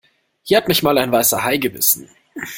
Hier hat mich mal ein Weißer Hai gebissen.